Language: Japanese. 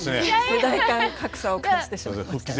世代間格差を感じてしまいました。